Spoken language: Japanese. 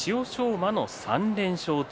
馬の３連勝中。